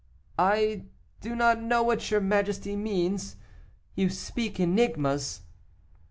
"I do not know what your majesty means; you speak enigmas."